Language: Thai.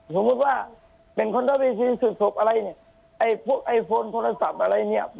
สมมุติว่าเป็นคนรับวิธีสูตรศพอะไรเนี่ยไอโฟนโทรศัพท์อะไรเนี่ย